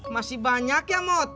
masih banyak ya mot